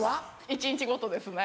一日ごとですね。